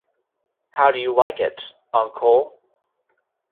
How do you like it, uncle?